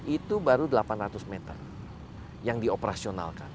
itu baru delapan ratus meter yang di operasional kan